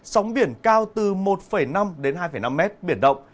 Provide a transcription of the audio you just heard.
sóng biển cao từ một năm hai năm m biển động